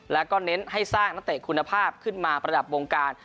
แล้วก็เน้นให้สร้างนักเตะคุณภาพขึ้นมาประดับวงการ